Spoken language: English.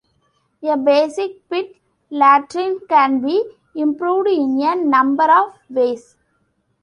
A basic pit latrine can be improved in a number of ways.